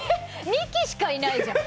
ミキしかいないじゃん。